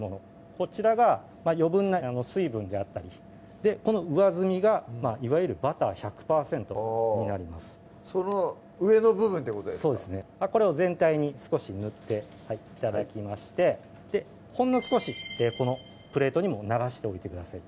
こちらが余分な水分であったりこの上澄みがいわゆるバター１００％になりますその上の部分ってことですかそうですねこれを全体に少し塗って頂きましてほんの少しこのプレートにも流しておいてください